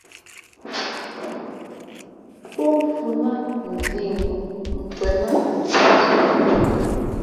Pó mfhʉ̄ nά nzîngū nkwēn nά nzîsō .